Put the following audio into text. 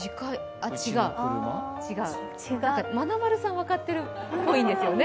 まなまるさん、分かってるっぽいんですよね。